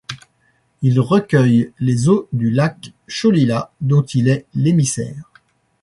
Il recueille les eaux du lac Cholila dont il est l'émissaire.